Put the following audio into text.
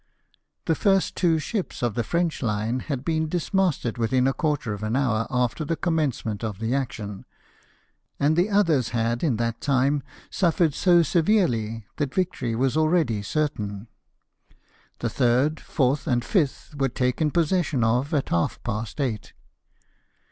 The two first ships of the French line had been dismasted within a quarter of an hour after the com mencement of the action, and the others had in that NELSON WOUNDED. 143 time suffered so severely that victory was already certain. The third, fourth, and fifth were taken pos session of at half past eight.